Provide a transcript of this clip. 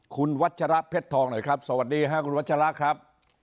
คุณวัชระเพชรทองหน่อยครับสวัสดีค่ะคุณวัชระครับ